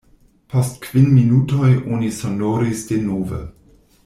Post kvin minutoj oni sonoris denove.